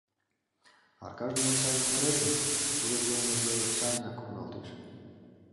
Аркаш дене сайын кутырет гын, тудынат йылмыже сайынак рудалтеш.